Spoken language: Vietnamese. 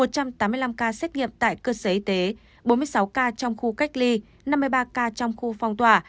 một trăm tám mươi năm ca xét nghiệm tại cơ sở y tế bốn mươi sáu ca trong khu cách ly năm mươi ba ca trong khu phong tỏa